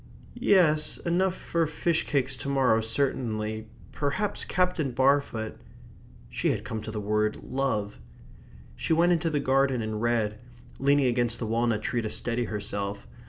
"Yes, enough for fish cakes to morrow certainly Perhaps Captain Barfoot " she had come to the word "love." She went into the garden and read, leaning against the walnut tree to steady herself.